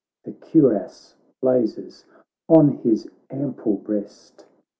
The cuirass blazes on his ample breast.